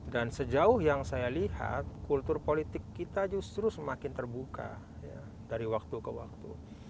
dan sejauh yang saya lihat kultur politik kita justru semakin terbuka dari waktu ke waktu